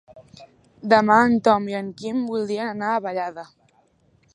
Demà en Tom i en Quim voldrien anar a Vallada.